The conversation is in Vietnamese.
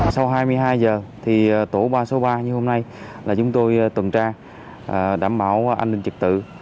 sau hai mươi hai giờ thì tổ ba trăm sáu mươi ba như hôm nay là chúng tôi tuần tra đảm bảo an ninh trực tự